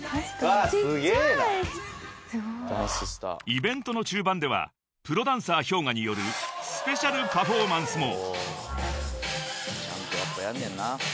［イベントの中盤ではプロダンサーＨｙＯｇＡによるスペシャルパフォーマンスも］